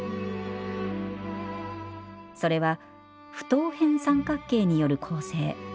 それは不等辺三角形による構成。